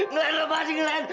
ngelan leluhur ngelan